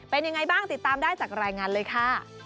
เป็นยังไงบ้างติดตามได้จากรายงานเลยค่ะ